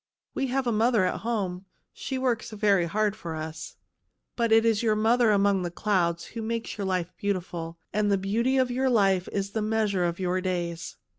" We have a mother at home. She works very hard for us." "But it is your mother among the clouds who makes your life beautiful, and the beauty of your life is the measure of your days."